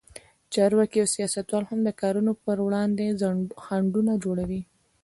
چارواکي او سیاستوال هم د کارونو پر وړاندې خنډونه جوړوي.